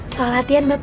solatian bab tiga